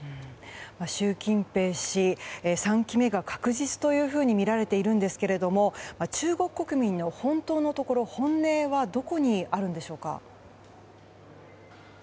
習近平氏３期目が確実とみられているんですけれども中国国民の本当のところ本音はどこにあるんでしょうか。